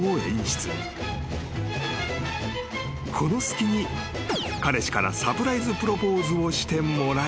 ［この隙に彼氏からサプライズプロポーズをしてもらい］